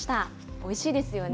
おいしいですよね。